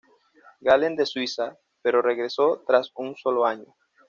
Gallen de Suiza, pero regresó tras un solo año.